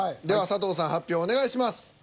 では佐藤さん発表をお願いします。